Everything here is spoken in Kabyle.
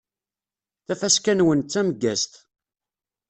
Tafaska-nwen d tameggazt!